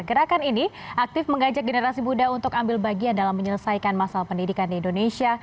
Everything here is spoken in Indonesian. gerakan ini aktif mengajak generasi muda untuk ambil bagian dalam menyelesaikan masalah pendidikan di indonesia